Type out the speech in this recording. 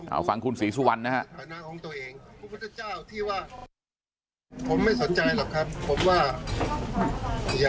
เอาฟังคุณศรีสุวรรณนะฮะ